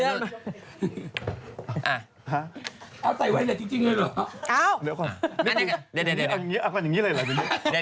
เอาใส่ไว้เนี่ยจริงเลยหรอ